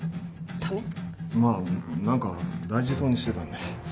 まあ何か大事そうにしてたんで。